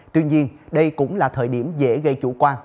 tuy nhiên đây cũng là thời điểm dễ gây chủ quan